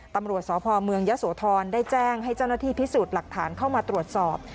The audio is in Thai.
ตำรวจสพเมืองยะโสธรได้แจ้งให้เจ้าหน้าที่พิสูจน์หลักฐานเข้ามาตรวจสอบ